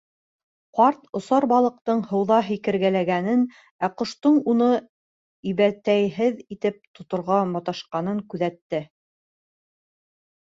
Ҡарт осар балыҡтың һыуҙа һикергәләгәнен, ә ҡоштоң уны ибәтәйһеҙ итеп тоторға маташҡанын күҙәтте.